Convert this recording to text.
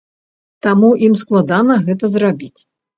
Таму ім складана гэта зрабіць.